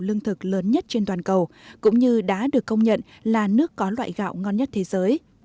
lương thực lớn nhất trên toàn cầu cũng như đã được công nhận là nước có loại gạo ngon nhất thế giới